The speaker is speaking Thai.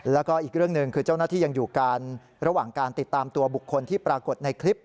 แล้วก็อีกเรื่องหนึ่งคือเจ้าหน้าที่ยังอยู่ระหว่างการติดตามตัวบุคคลที่ปรากฏในคลิป